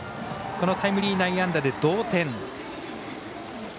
このタイムリー内野安打で同点。